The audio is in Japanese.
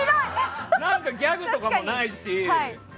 何かギャグとかもないし。